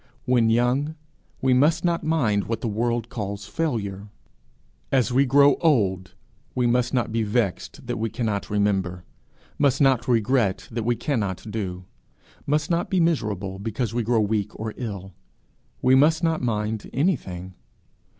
When young we must not mind what the world calls failure; as we grow old, we must not be vexed that we cannot remember, must not regret that we cannot do, must not be miserable because we grow weak or ill: we must not mind anything.